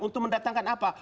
untuk mendatangkan apa